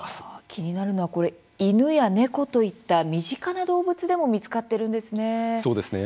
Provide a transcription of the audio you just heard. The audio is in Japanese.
気になるのは犬や猫といった身近な動物でも見つかっているんですね。